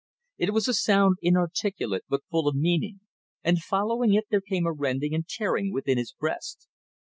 It was a sound inarticulate but full of meaning; and following it there came a rending and tearing within his breast.